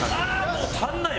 もう足らない。